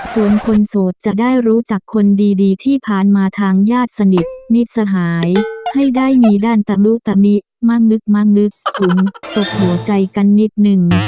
ส่วนคนโสดจะได้รู้จักคนดีที่ผ่านมาทางญาติสนิทมิตรสหายให้ได้มีด้านตะนุตมิมั่นนึกมั่นนึกถึงตกหัวใจกันนิดนึง